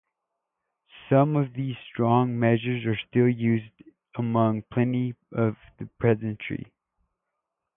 Some of these strong measures are still in use among the peasantry.